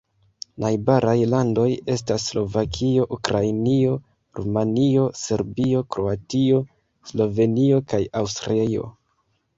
Najbaraj landoj estas Slovakio, Ukrainio, Rumanio, Serbio, Kroatio, Slovenio kaj Aŭstrio.